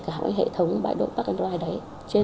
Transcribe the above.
cả hệ thống bãi độ park and ride đấy